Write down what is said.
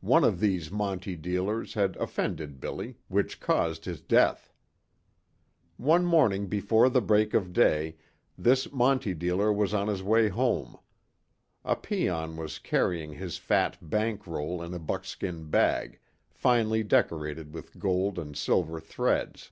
One of these monte dealers had offended Billy, which caused his death. One morning before the break of day, this monte dealer was on his way home; a peon was carrying his fat "bank roll" in a buckskin bag, finely decorated with gold and silver threads.